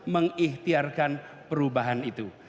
mengikhtiarkan perubahan itu